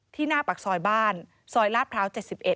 หน้าปากซอยบ้านซอยลาดพร้าว๗๑